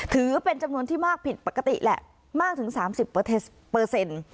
ถือเป็นจำนวนที่มากผิดปกติแหละมากถึง๓๐